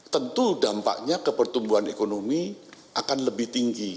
tentu dampaknya kepertumbuhan ekonomi akan lebih tinggi